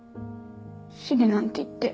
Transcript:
死ねなんて言って。